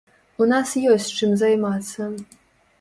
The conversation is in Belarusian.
У нас ёсць, чым займацца.